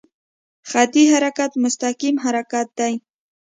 خطي حرکت مستقیم حرکت دی.